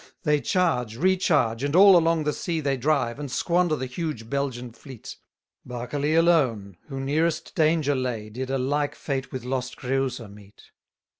67 They charge, recharge, and all along the sea They drive, and squander the huge Belgian fleet; Berkeley alone, who nearest danger lay, Did a like fate with lost Creusa meet.